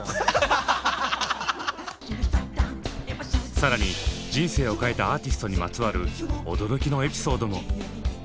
更に人生を変えたアーティストにまつわる驚きのエピソードも。